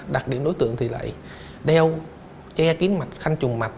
đặc điểm đối tượng thì lại đeo che kín mặt khanh trùng mặt